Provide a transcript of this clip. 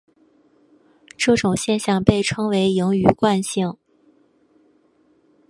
这种现象被称为盈余惯性。